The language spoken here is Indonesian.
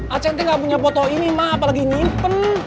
aceh gak punya foto ini ma apa lagi nyimpen